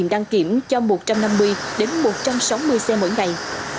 đăng kiểm cho một trăm năm mươi đến một trăm sáu mươi xe mỗi ngày